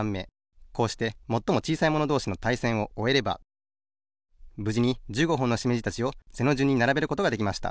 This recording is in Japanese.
こうしてもっともちいさいものどうしのたいせんをおえればぶじに１５ほんのしめじたちを背のじゅんにならべることができました。